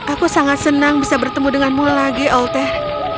aku sangat senang bisa bertemu denganmu lagi olte